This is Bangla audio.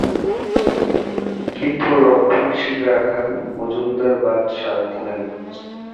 কিন্তু রক্ষণশীল রাখাল মজুমদার বাধ সাধলেন।